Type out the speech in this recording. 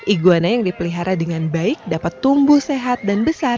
iguana yang dipelihara dengan baik dapat tumbuh sehat dan besar